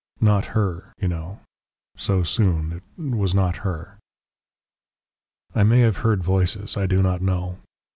Not her, you know. So soon it was not her.... "I may have heard voices. I do not know.